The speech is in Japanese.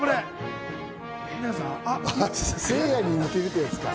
あっ、せいやに似てるってやつか。